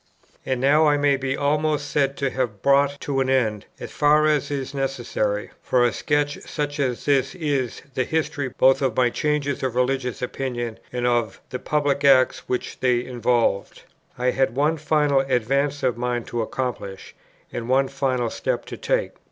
And now I may be almost said to have brought to an end, as far as is necessary for a sketch such as this is, the history both of my changes of religious opinion and of the public acts which they involved. I had one final advance of mind to accomplish, and one final step to take.